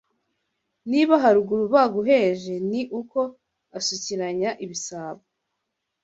Niba haruguru baguheje Ni uko asukiranya ibisabo